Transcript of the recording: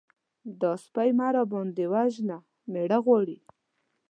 _دا سپۍ مه راباندې وژنه! مېړه غواړي.